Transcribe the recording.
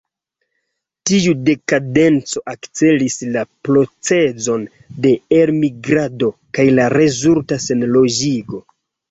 Tiu dekadenco akcelis la procezon de elmigrado kaj la rezulta senloĝigo.